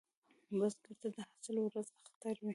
بزګر ته د حاصل ورځ اختر وي